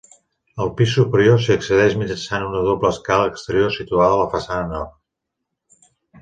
Al pis superior s'hi accedeix mitjançant una doble escala exterior situada a la façana nord.